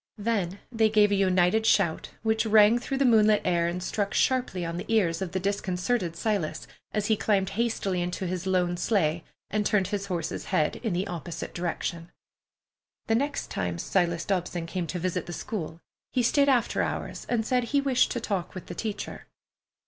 Then they gave a united shout which rang through the moonlit air and struck sharply on the ears of the disconcerted Silas as he climbed hastily into his lone sleigh and turned his horse's head in the opposite direction. The next time Silas Dobson came to visit the school he stayed after hours and said he wished to talk with the teacher.